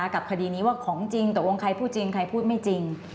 คดีนี้ว่าของจริงตกลงใครพูดจริงใครพูดไม่จริง